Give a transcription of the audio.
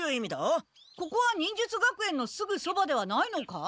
ここは忍術学園のすぐそばではないのか？